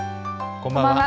こんばんは。